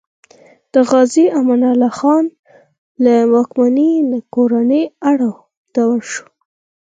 د غازي امان الله خان له واکمنۍ نه کورنی اړو دوړ شو.